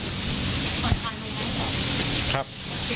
รู้นะครับ